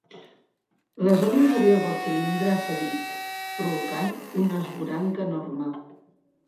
La zona inferior del cilindre ha cedit, provocant un esvoranc enorme.